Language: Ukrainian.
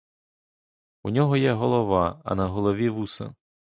У нього є голова, а на голові вуса.